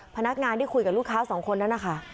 พนักงานที่คุยกับลูกค้าสองคนนั้นนะคะ